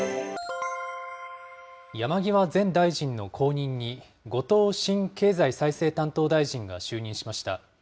山際前大臣の後任に、後藤新経済再生担当大臣が就任しました。